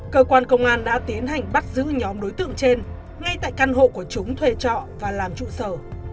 cơ quan công an đã tiến hành bắt giữ nhóm đối tượng trên ngay tại căn hộ của chúng thuê trọ và làm trụ sở